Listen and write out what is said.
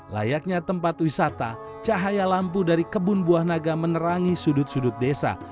layaknya tempat wisata cahaya lampu dari kebun buah naga menerangi sudut sudut desa